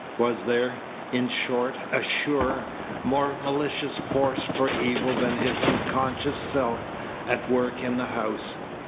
Was there, in short, a surer, more malicious force for evil than his unconscious self, at work in the house?